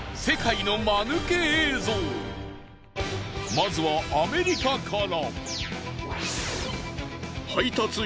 まずはアメリカから。